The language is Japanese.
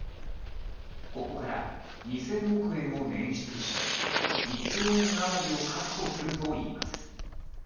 ここから２０００億円を捻出して１兆円余りを確保するといいます。